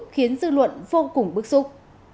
khiến dư luận vô cùng bức xúc